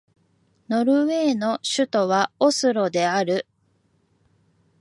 ノルウェーの首都はオスロである